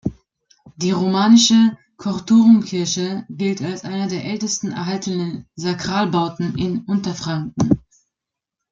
Die romanische Chorturmkirche gilt als einer der ältesten erhaltenen Sakralbauten in Unterfranken.